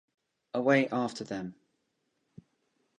Away after them!